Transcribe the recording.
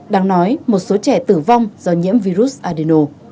do nhiễm virus adeno